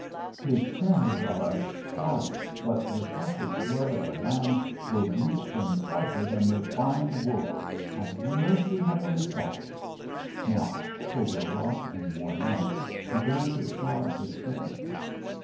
'His sins are as scarlet, but the precious blood of the Lamb will bleach them whiter than fine wool. Have mercy, Heavenly Father ' Mosk, over wrought and worn out, began to sob hysterically.